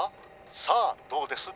さあどうです？